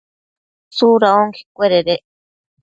¿tsuda onquecuededec?